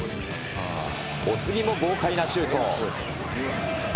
お次も豪快なシュート。